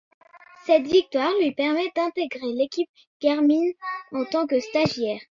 Cette victoire lui permet d'intégrer l'équipe Garmin en tant que stagiaire.